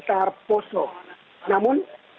dari keterangan pak jokowi